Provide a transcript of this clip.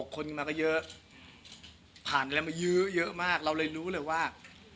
คนมาก็เยอะผ่านอะไรมายื้อเยอะมากเราเลยรู้เลยว่า